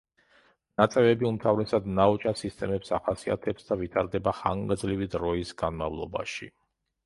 ნაწევები უმთავრესად ნაოჭა სისტემებს ახასიათებს და ვითარდება ხანგრძლივი დროის განმავლობაში.